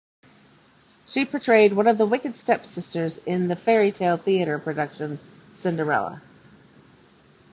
She portrayed one of the wicked stepsisters in the "Faerie Tale Theatre" production "Cinderella.